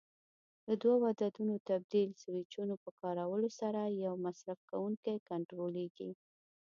له دوو عددونو تبدیل سویچونو په کارولو سره یو مصرف کوونکی کنټرولېږي.